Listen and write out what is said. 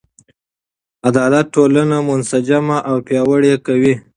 عدالت ټولنه منسجمه او پیاوړې کوي.